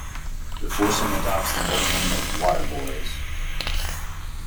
The foursome adopts the nickname of "waterboys".